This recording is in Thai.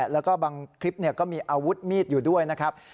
แล้วก็บางคลิปก็มีอาวุธมีดอยู่ด้วยนะครับ